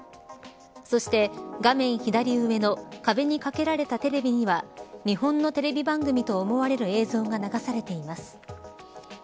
そして画面左上の壁に掛けられたテレビには日本のテレビ番組と思われる映像が流されています。